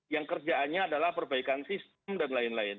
yang kerjaannya adalah perbaikan sistem dan lain lain